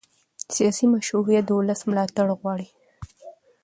سیاسي مشروعیت د ولس ملاتړ غواړي